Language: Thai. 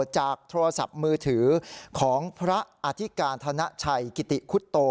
โทรศัพท์มือถือของพระอธิการธนชัยกิติคุตโต